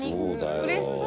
うれしそう。